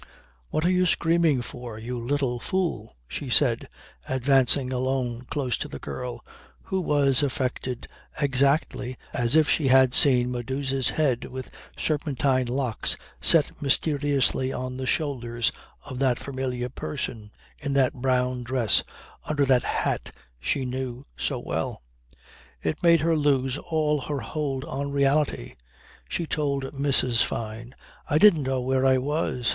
"What are you screaming for, you little fool?" she said advancing alone close to the girl who was affected exactly as if she had seen Medusa's head with serpentine locks set mysteriously on the shoulders of that familiar person, in that brown dress, under that hat she knew so well. It made her lose all her hold on reality. She told Mrs. Fyne: "I didn't know where I was.